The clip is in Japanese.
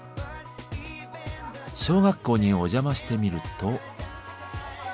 小学校にお邪魔してみると。